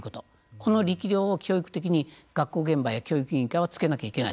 この力量を教育的に学校現場や教育現場はつけなければいけない。